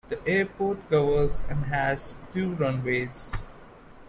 The airport covers and has two runways.